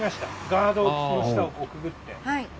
ガードの下をくぐって。